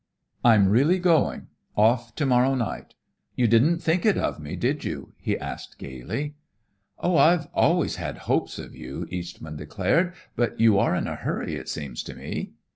"I'm really going; off to morrow night. You didn't think it of me, did you?" he asked gaily. "Oh, I've always had hopes of you!" Eastman declared. "But you are in a hurry, it seems to me."